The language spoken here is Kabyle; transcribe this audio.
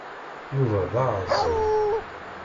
Yuba d aεeẓẓug.